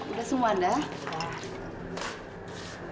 udah semua dah